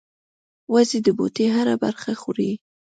وزې د بوټي هره برخه خوري